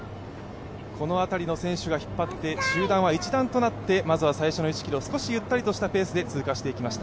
この辺りの選手が引っ張って、集団は一団となってまずは最初の１ｋｍ少しゆったりしたペースで通過していきました。